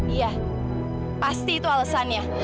iya pasti itu alesannya